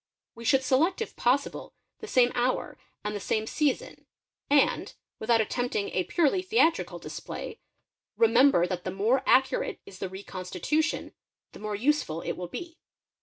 We should — select if possible the same hour and the same season; and, without attempting a purely theatrical display, remember that the more accurate — is the '"reconstitution,'' the more useful it will be.